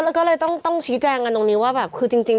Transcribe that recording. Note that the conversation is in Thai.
นี่ก็เลยต้องชี้แจงกันตรงนี้ว่าจริง